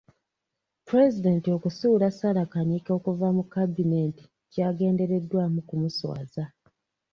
Pulezidenti okusuula Sarah Kanyike okuva mu kabineeti kyagendereddwamu okumuswaza.